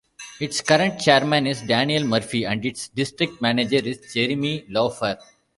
Its current chairman is Daniel Murphy and its district manager is Jeremy Laufer.